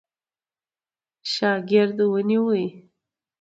شاګرد ونیوی.